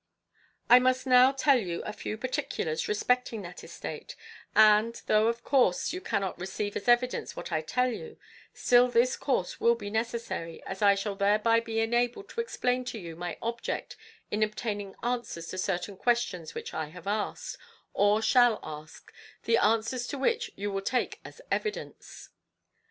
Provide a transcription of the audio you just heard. "I must now tell you a few particulars respecting that estate; and though, of course, you cannot receive as evidence what I tell you, still this course will be necessary, as I shall thereby be enabled to explain to you my object in obtaining answers to certain questions which I have asked, or shall ask, the answers to which you will take as evidence.